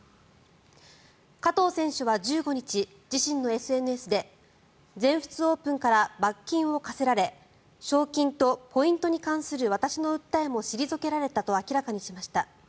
加藤選手は１５日自身のＳＮＳで全仏オープンから罰金を科せられ賞金とポイントに関する私の訴えも退けられたと明らかにしました。